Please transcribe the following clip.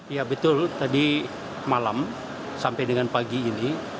ya betul tadi malam sampai dengan pagi ini